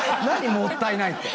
何かもったいない。